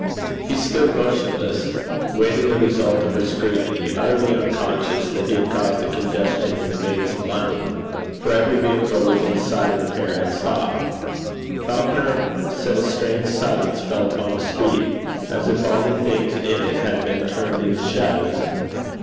He stood motionless, waiting the result of her scrutiny, utterly unconscious that he caused a congestion in the veins of London, for every vehicle within sight of the pair had stopped. Falconer said a strange silence fell upon the street, as if all the things in it had been turned into shadows.